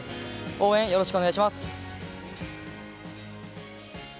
応援、よろしくお願いします。